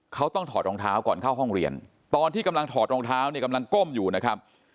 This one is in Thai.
เขาต้องถอดรองเท้าก่อนเข้าห้องเรียนตอนที่กำลังถอดรองเท้าเนี่ยกำลังก้มอยู่นะครับ